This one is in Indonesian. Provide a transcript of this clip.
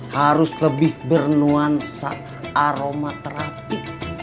harus lebih bernuansa aroma terapi